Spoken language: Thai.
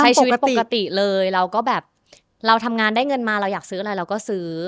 ใช้ชีวิตปกติเลยเราก็แบบเราทำงานได้เงินมาเราอยากซื้ออะไรเราก็ซื้อ